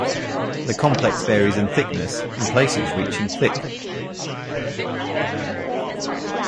The complex varies in thickness, in places reaching thick.